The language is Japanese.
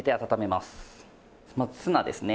まずツナですね。